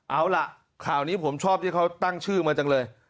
เอาล่ะข่าวนี้ผมชอบที่เขาตั้งชื่อมาจังเลย